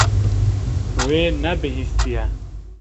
Wê nebihîstiye.